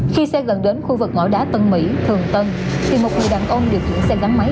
khi xe gần đến khu vực ngõ đá tân mỹ thường tân thì một người đàn ông điều khiển xe gắn máy